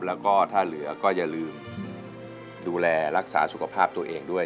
แล้วก็ถ้าเหลือก็อย่าลืมดูแลรักษาสุขภาพตัวเองด้วย